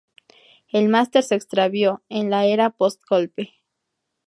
El master se extravió, en la era post golpe.